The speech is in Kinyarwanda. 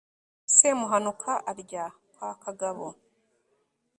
semuhanuka arya kwa kagabo